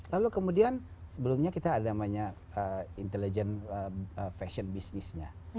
lalu kemudian sebelumnya kita ada namanya intelligent fashion businessnya